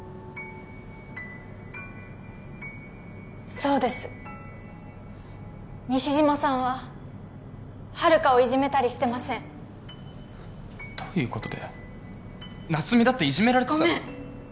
そうです西島さんは遙をいじめたりしてませんどういうことだよ夏美だっていじめられてたごめん！